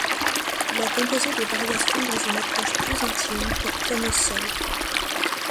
Il a composé des variations dans une approche plus intime, pour piano seul.